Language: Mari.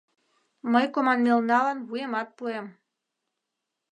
Мый команмелналан вуемат пуэм.